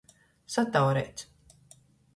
Sataureits.